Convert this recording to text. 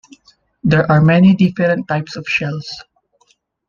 There are many different types of shells.